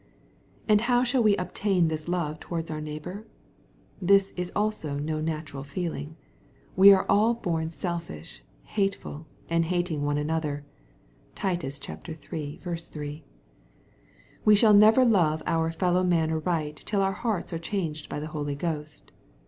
And how shall we obtain this love towards our neigh bor ? This is also no natural feeling. We are bom selfish, hateful, and hating one another. (Titus iii. 3.) We shall never love our fellow man aright till our hearts are changed by. the Holy Ghost.